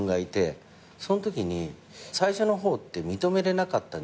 そのときに最初の方って認めれなかった。